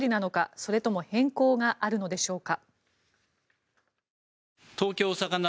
それとも変更があるのでしょうか。